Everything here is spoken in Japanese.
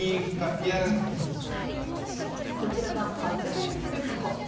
こちらは発電するたこ。